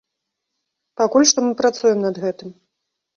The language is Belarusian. Пакуль што мы працуем над гэтым.